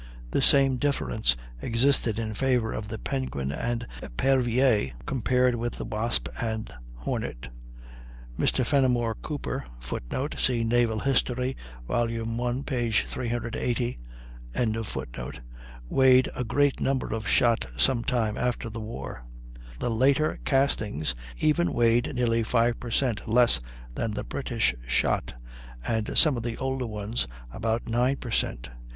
The same difference existed in favor of the Penguin and Epervier compared with the Wasp and Hornet. Mr. Fenimore Cooper [Footnote: See "Naval History," i, p. 380.] weighed a great number of shot some time after the war. The later castings, even weighed nearly 5 per cent, less than the British shot, and some of the older ones, about 9 per cent.